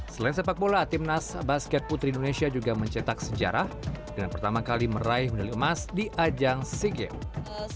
selain sepak bola timnas basket putri indonesia juga mencetak sejarah dengan pertama kali meraih medali emas di ajang sea games